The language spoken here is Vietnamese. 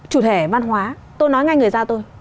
chủ thể văn hóa tôi nói ngay người giao tôi